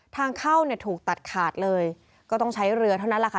ทางเข้าเนี่ยถูกตัดขาดเลยก็ต้องใช้เรือเท่านั้นแหละค่ะ